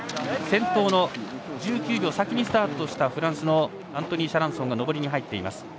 先頭、１９秒先にスタートしたフランスのアントニー・シャランソンが上りに入っています。